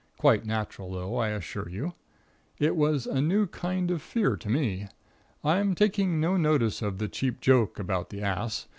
Quite natural, though, I assure you! Yet it was a new kind of fear to me. I'm taking no notice of the cheap joke about the ass!